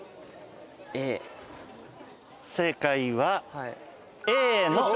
正解は。